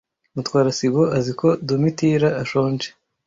Mutwara sibo azi ko Domitira ashonje.